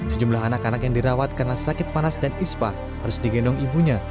sejumlah anak anak yang dirawat karena sakit panas dan ispa harus digendong ibunya